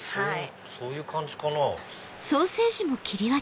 そういう感じかな。